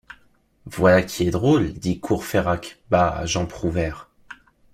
Voilà qui est drôle! dit Courfeyrac bas à Jean Prouvaire.